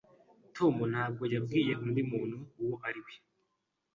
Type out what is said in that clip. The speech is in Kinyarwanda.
Tom ntabwo yabwiye undi muntu uwo ari we.